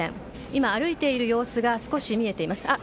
今、歩いている様子が少し見えています。